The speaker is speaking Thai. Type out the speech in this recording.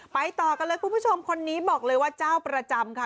ต่อกันเลยคุณผู้ชมคนนี้บอกเลยว่าเจ้าประจำค่ะ